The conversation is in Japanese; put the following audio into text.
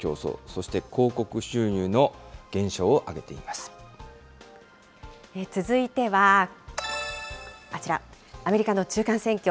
そして広告収入の減少を挙げてい続いては、あちら、アメリカの中間選挙。